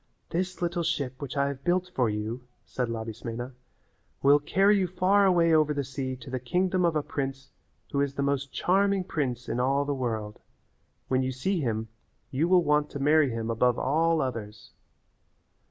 "This little ship which I have built for you," said Labismena, "will carry you far away over the sea to the kingdom of a prince who is the most charming prince in all the world. When you see him you will want to marry him above all others."